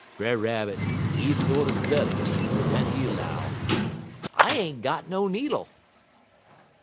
Brer Rabbit, he sorter study, en den he 'low: "'I ain't got no needle.'